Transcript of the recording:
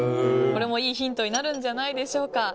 これもいいヒントになるんじゃないでしょうか。